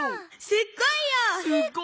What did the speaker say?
すっごいよ！